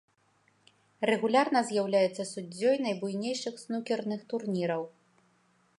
Рэгулярна з'яўляецца суддзёй найбуйнейшых снукерных турніраў.